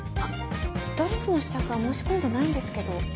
ドレスの試着は申し込んでないんですけど。